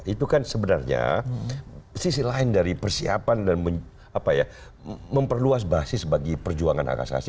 itu kan sebenarnya sisi lain dari persiapan dan memperluas basis bagi perjuangan hak asasi